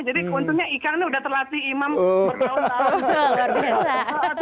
jadi untungnya ika ini udah terlatih imam berkata kata